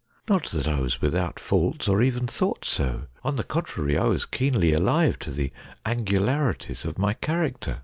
Not that I was without faults, or even thought so. On the contrary, I was keenly alive to the angularities of my character.